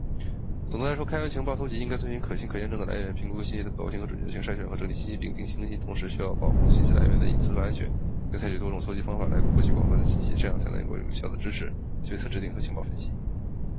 总的来说，开源情报搜集应该遵循可信、可验证的来源，评估信息的可靠性和准确性，筛选和整理信息，并定期更新。同时，需要保护信息来源的隐私和安全，并采用多种搜集方法来获取广泛的信息。这样才能有效地支持决策制定和情报分析。